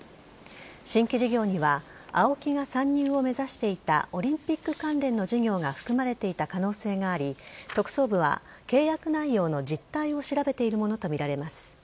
新規事業にはＡＯＫＩが参入を目指していたオリンピック関連の事業が含まれていた可能性があり特捜部は契約内容の実態を調べているものとみられます。